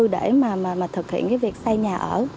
để mà thực hiện cái việc xây nhà